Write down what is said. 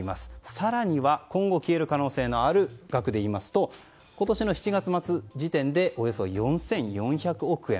更には今後消える可能性のある額でいいますと今年の７月末時点でおよそ４４００億円。